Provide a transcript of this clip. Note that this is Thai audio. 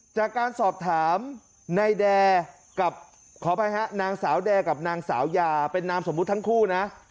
จากการสอบถามนายแดกับขออภัยฮะนางสาวแอร์กับนางสาวยาเป็นนามสมมุติทั้งคู่นะ